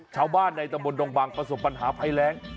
ชาวบ้านในตำบลดงบังประสบปัญหาภัยแรง